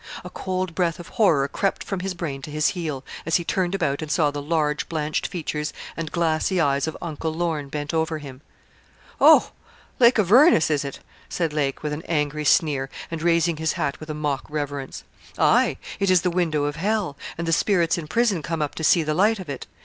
A cold breath of horror crept from his brain to his heel, as he turned about and saw the large, blanched features and glassy eyes of Uncle Lorne bent over him. 'Oh, Lake Avernus, is it?' said Lake, with an angry sneer, and raising his hat with a mock reverence. 'Ay! it is the window of hell, and the spirits in prison come up to see the light of it.